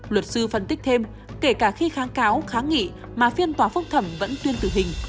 luật sư phân tích thêm kể cả khi kháng cáo kháng nghị mà phiên tòa phúc thẩm vẫn tuyên tử hình